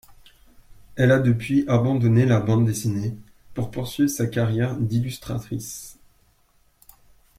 Elle a depuis abandonné la Bande Dessinée pour poursuivre sa carrière d'illustratrice.